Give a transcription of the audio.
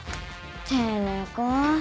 丁寧か。